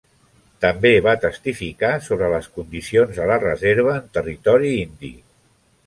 També va testificar sobre les condicions a la reserva en Territori Indi.